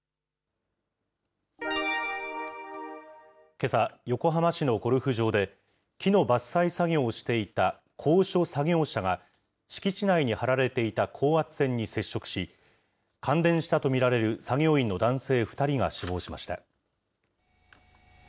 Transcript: けさ、横浜市のゴルフ場で、木の伐採作業をしていた高所作業車が敷地内に張られていた高圧線に接触し、感電したと見られる作業員の男性２人が死亡しました。